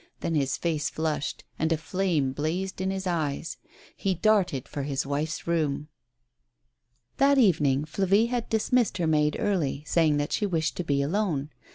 Then his face flushed, and a flame blazed in his eyes. He started for his wife's room. That evening Flavie had dismissed her maid early, saying that she wished to be alone.